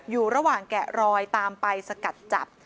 อยู่ระหว่างแกะรอยตามไปสกัดจับ